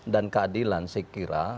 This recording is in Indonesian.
dan keadilan saya kira